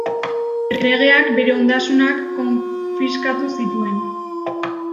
Erregeak bere ondasunak konfiskatu zituen.